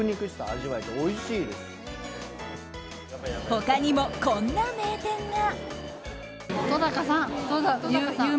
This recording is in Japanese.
他にもこんな名店が。